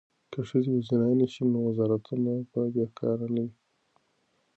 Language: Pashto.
که ښځې وزیرانې شي نو وزارتونه به بې کاره نه وي.